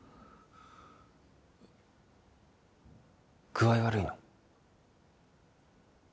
具合悪いの？